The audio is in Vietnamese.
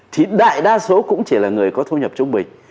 thì đại đa số cũng chỉ là người có thu nhập trung bình